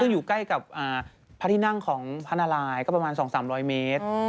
อยู่ใกล้กับพระที่นั่งของพระนารายก็ประมาณ๒๓๐๐เมตร